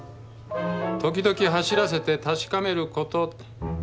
「時々走らせて確かめること」。